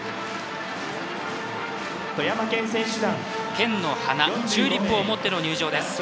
県の花、チューリップを持っての入場です。